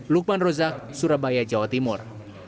lukman rozak surabaya jawa timur